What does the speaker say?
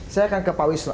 saya akan ke pak wisnu